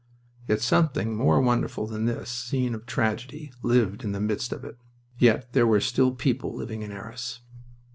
Yet something more wonderful than this scene of tragedy lived in the midst of it. Yet there were still people living in Arras.